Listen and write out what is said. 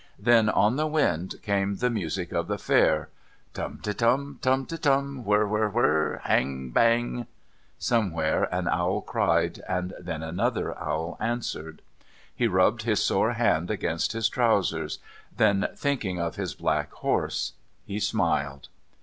Then, on the wind, came the music of the Fair. "Tum te Tum... Tum te Tum... Whirr Whirr Whirr Bang Bang." Somewhere an owl cried, and then another owl answered. He rubbed his sore hand against his trousers; then, thinking of his black horse, he smiled.